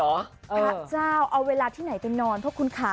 พระเจ้าเอาเวลาที่ไหนไปนอนเพราะคุณค่ะ